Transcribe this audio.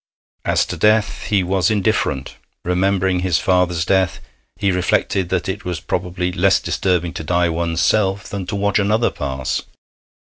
As to death, he was indifferent. Remembering his father's death, he reflected that it was probably less disturbing to die one's self than to watch another pass.